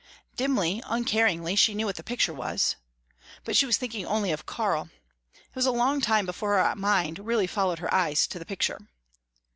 Dimly, uncaringly, she knew what the picture was. But she was thinking only of Karl. It was a long time before her mind really followed her eyes to the picture.